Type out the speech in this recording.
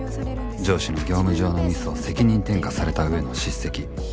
上司の業務上のミスを責任転嫁された上の叱責